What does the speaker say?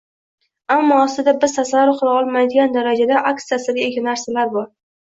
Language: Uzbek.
ammo aslida biz tasavvur qila olmaydigan darajada aks ta’sirga ega narsalar bor